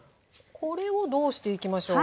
これをどうしていきましょう？